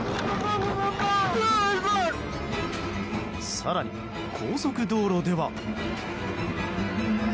更に、高速道路では。